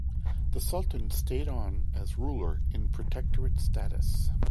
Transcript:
The Sultan stayed on as ruler in protectorate status.